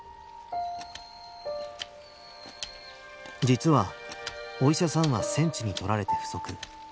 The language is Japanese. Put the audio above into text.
実はお医者さんは戦地に取られて不足。